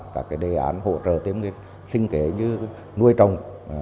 các đề án hỗ trợ thêm sinh kế như nuôi trồng